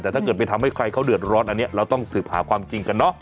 แต่ถ้าเกิดไปทำให้ใครเขาเดือดร้อนอันนี้เราต้องสืบหาความจริงกันเนอะ